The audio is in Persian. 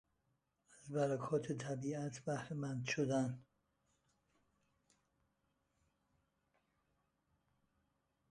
از برکات طبیعت بهرهمند شدن